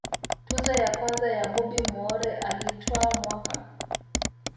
tuzo ya kwanza ya Bobby Moore alitwaa mwaka